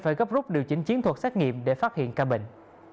phải gấp rút điều chỉnh chiến thuật xét nghiệm để phát hiện ca bệnh